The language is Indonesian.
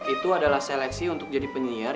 itu adalah seleksi untuk jadi penyiar